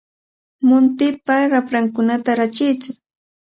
Muntipa raprankunata rachiytsu.